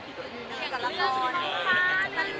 ก็ได้ยินคนพูดกันบ้างอะค่ะ